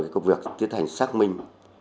công việc tiến hành xác minh